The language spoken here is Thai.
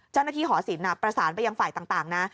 เจ้าหน้าที่หอสินประสานไปยังฝ่ายต่างนะ